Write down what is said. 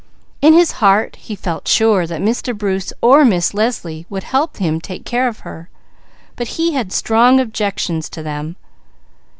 In his heart he felt sure that Mr. Bruce or Miss Leslie would help him take care of her, but he had strong objections to them.